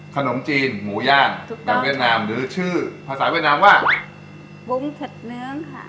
ขนมจีนหมูย่างแบบเวียดนามหรือชื่อภาษาเวียดนามว่าบุ้งเผ็ดเนื้องค่ะ